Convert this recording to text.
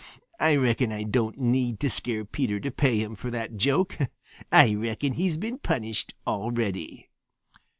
I reckon I don't need to scare Peter to pay him for that joke. I reckon he's been punished already."